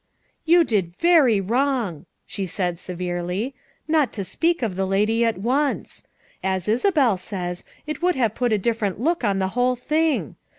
"You did very wrong, " she said severely, "not to speak of the lady at once. As Isabel says, it would have put a different look on the whole thing.